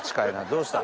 どうした？